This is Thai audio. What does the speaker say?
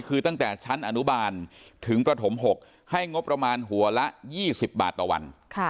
คือตั้งแต่ชั้นอนุบาลถึงประถม๖ให้งบประมาณหัวละ๒๐บาทต่อวัน